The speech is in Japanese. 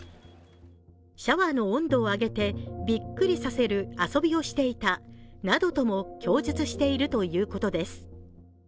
シャワーの温度を上げてびっくりさせる遊びをしていたなどとも供述しているとのことです。